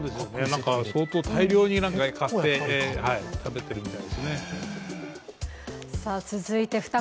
相当大量に買って、食べていたみたいですね。